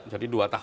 jadi dua tahun